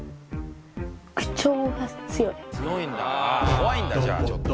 怖いんだじゃあちょっと。